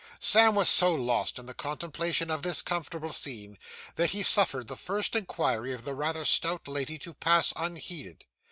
Sam was so lost in the contemplation of this comfortable scene, that he suffered the first inquiry of the rather stout lady to pass unheeded.